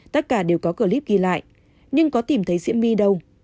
tất cả đều có clip ghi lại nhưng có tìm thấy diễm my đâu